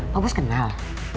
papa bos kenal